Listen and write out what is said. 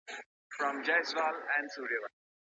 فارمسي پوهنځۍ په خپلسري ډول نه ویشل کیږي.